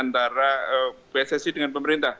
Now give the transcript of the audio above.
para pssi dengan pemerintah